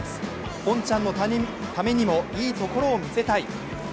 ポンちゃんのためにもいいところを見せたい。